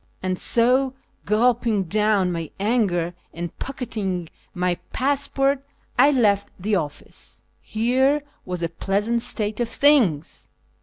And so, gulping down my anger and pocketing my passport, I left the office. Here was a pleasant state of things